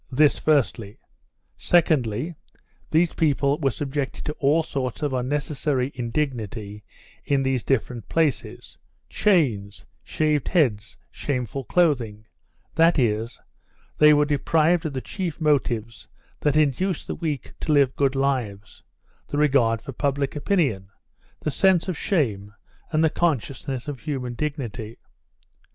This firstly. Secondly, these people were subjected to all sorts of unnecessary indignity in these different Places chains, shaved heads, shameful clothing that is, they were deprived of the chief motives that induce the weak to live good lives, the regard for public opinion, the sense of shame and the consciousness of human dignity.